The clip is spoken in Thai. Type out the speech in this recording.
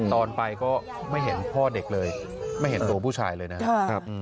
ตอนไปก็ไม่เห็นพ่อเด็กเลยไม่เห็นตัวผู้ชายเลยนะครับ